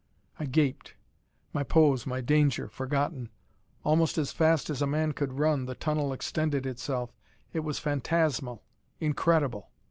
_ I gaped my pose, my danger, forgotten. Almost as fast as a man could run, the tunnel extended itself. It was phantasmal, incredible!